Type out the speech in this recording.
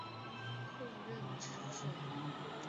括认知治疗。